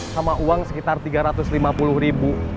sama uang sekitar tiga ratus lima puluh ribu